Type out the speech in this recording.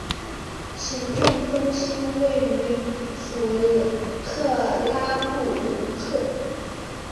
行政中心位于弗克拉布鲁克。